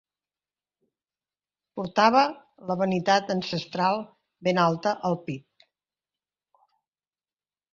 Portava la vanitat encestral ben alta al pit.